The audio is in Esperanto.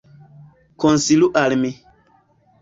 Konsilu al mi.